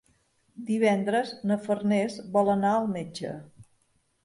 Divendres na Farners vol anar al metge.